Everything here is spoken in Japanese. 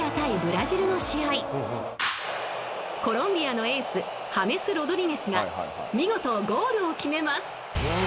［コロンビアのエースハメス・ロドリゲスが見事ゴールを決めます］